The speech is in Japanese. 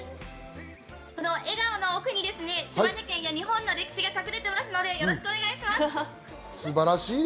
笑顔の奥に島根県や日本の歴史が隠れていますので、よろしくお願いします。